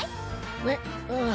えっああ